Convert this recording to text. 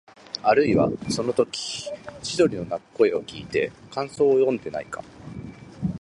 あるいは、そのとき千鳥の鳴く声をきいて感想をよんだのではないか、